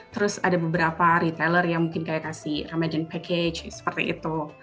terus ada beberapa retailer yang mungkin kayak kasih ramadan package seperti itu